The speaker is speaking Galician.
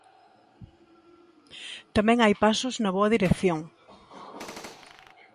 Tamén hai pasos na boa dirección.